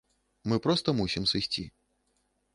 Мы проста мусім сысці.